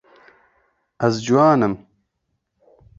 Ez ciwan im.